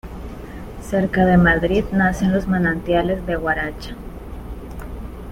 Cerca de Madrid nacen los manantiales de Guaracha.